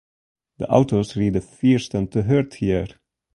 De auto's riede fiersten te hurd hjir.